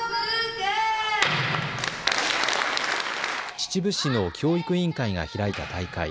秩父市の教育委員会が開いた大会。